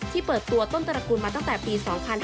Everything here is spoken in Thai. เปิดตัวต้นตระกูลมาตั้งแต่ปี๒๕๕๙